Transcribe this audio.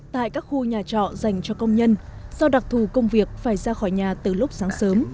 tại các khu nhà trọ dành cho công nhân do đặc thù công việc phải ra khỏi nhà từ lúc sáng sớm